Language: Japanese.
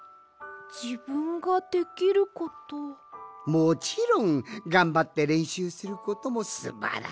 もちろんがんばってれんしゅうすることもすばらしいぞい！